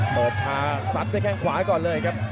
โปรดทางสัดในแข่งขวาก่อนเลยครับ